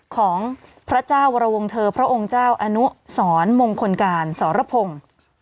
ของพระเจ้าวรวงเธอพระองค์เจ้าอนุสรมงคลการสรพงศ์